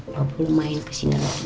lo boleh main kesini lagi